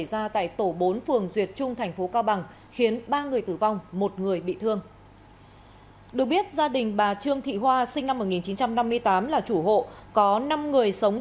xin chào và hẹn gặp lại